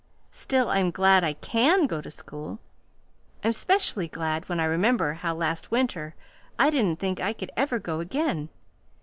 Still I'm glad I CAN go to school. I'm 'specially glad when I remember how last winter I didn't think I could ever go again.